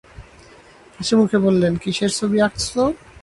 হাসিমুখে বললেন, কিসের ছবি আঁকছ?